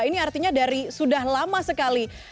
ini artinya dari sudah lama sekali